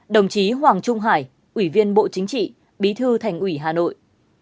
một mươi năm đồng chí hoàng trung hải ủy viên bộ chính trị bí thư thành ủy hà nội